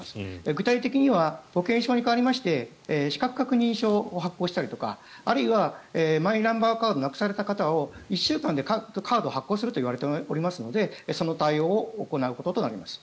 具体的には保険証に代わりまして資格確認書を発行したりとかあるいはマイナンバーカードをなくされた方を１週間でカードを発行するといわれておりますのでその対応を行うこととなります。